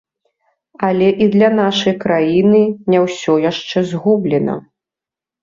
Але і для нашай краіны не ўсё яшчэ згублена.